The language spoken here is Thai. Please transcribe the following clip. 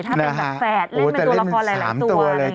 ถ้าเป็นแบบแฝดเล่นเป็นตัวละครหลายตัว